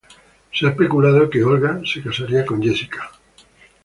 Se ha especulado que Olga se casaría con Jessica.